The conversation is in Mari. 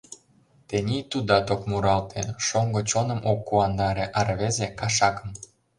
Тений тудат ок муралте, шоҥго чоным ок куандаре, А рвезе кашакым...